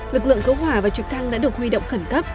lực lượng cấu hỏa và trực thăng đã được huy động khẩn cấp